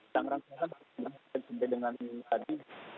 sampai dengan tadi